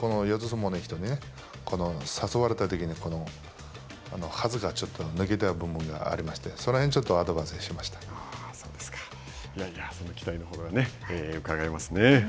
相撲のとき誘われたときにはずがちょっと抜けた部分がありましてその辺ちょっとアドバイスを期待のほどがうかがえますね。